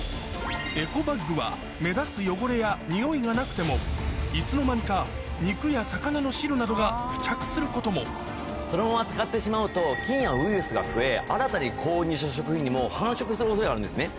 エコバッグは目立つ汚れやにおいがなくてもいつの間にかすることもそのまま使ってしまうと菌やウイルスが増え新たに購入した食品にも繁殖する恐れがあるんですね。